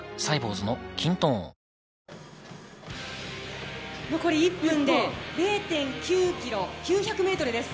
わぁ残り１分で０．９ｋｍ、９００ｍです。